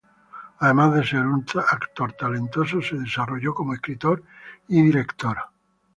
Además de ser un actor talentoso, se desarrolló como escritor y director.